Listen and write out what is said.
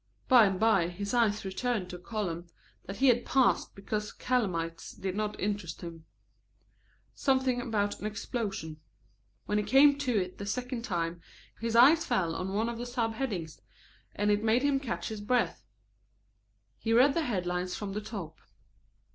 By and by his eyes returned to a column that he had passed because calamities did not interest him, something about an explosion. When he came to it the second time his eyes fell on one of the subheadings and it made him catch his breath. He read the headlines from the top.